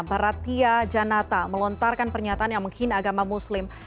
bharatia janata melontarkan pernyataan yang mengkhina agama muslim